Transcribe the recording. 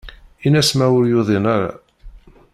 Ini-as ma ur yuḍin ara.